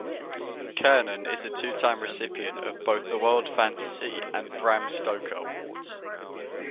Kiernan is a two-time recipient of both the World Fantasy and Bram Stoker awards.